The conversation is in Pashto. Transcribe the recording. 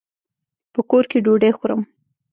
په کور کي ډوډۍ خورم.